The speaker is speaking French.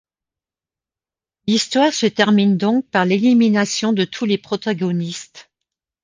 L’histoire se termine donc par l'élimination de tous les protagonistes.